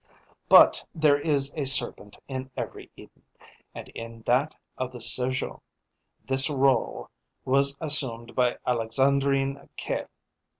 But there is a serpent in every Eden, and in that of the Sergeot this rôle was assumed by Alexandrine Caille.